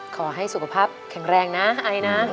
ขอให้สุขภาพแข็งแรงนะไอนะ